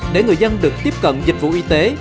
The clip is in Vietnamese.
để người dân được tiếp cận dịch vụ y tế